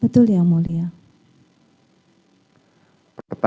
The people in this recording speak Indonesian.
betul ya mulia